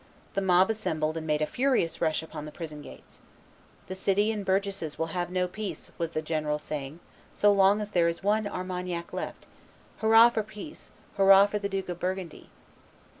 The mob assembled and made a furious rush upon the prison gates. "The city and burgesses will have no peace," was the general saying, "so long as there is one Armagnac left! Hurrah for peace! Hurrah for the Duke of Burgundy!"